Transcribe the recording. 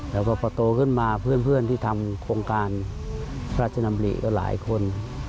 แล้วก็พอโตขึ้นมาเพื่อนที่ทำโครงการพระราชดำริก็หลายคน